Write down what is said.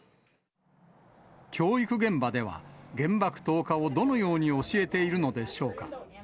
教育現場では、原爆投下をどのように教えているのでしょうか。